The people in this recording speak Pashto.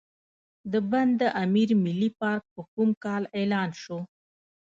د بند امیر ملي پارک په کوم کال اعلان شو؟